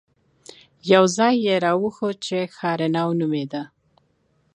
يو ځاى يې راوښود چې ښارنو نومېده.